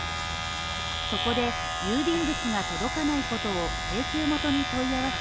そこで、郵便物が届かないことを請求元に問い合わせ